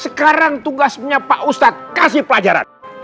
sekarang tugasnya pak ustadz kasih pelajaran